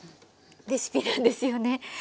レシピなんですよね。